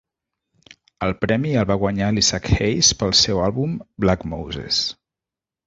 El premi el va guanyar l'Isaac Hayes pel seu àlbum "Black Moses".